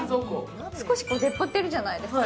少し出っ張っているじゃないですか、